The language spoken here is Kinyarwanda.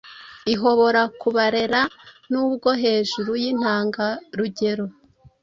Ihobora kubarera, nubwo hejuru yintangarugero